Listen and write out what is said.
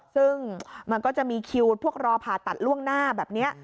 ซึ่งมันก็จะมีคิวพวกรอผ่าตัดล่วงหน้าแบบนี้